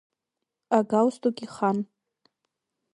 Агалстук ихан.